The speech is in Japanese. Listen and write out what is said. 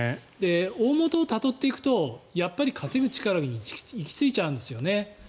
大元をたどっていくとやっぱり稼ぐ力に行き着いちゃうんですよね。